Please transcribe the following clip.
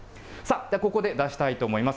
ここで出したいと思います。